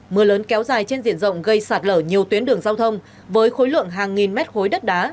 mưa lớn kéo dài trên diện rộng gây sạt lở nhiều tuyến đường giao thông với khối lượng hàng nghìn mét khối đất đá